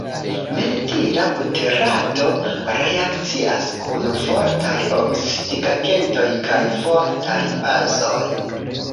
Mentila buterato reakcias kun fortaj oksidigagentoj kaj fortaj bazoj.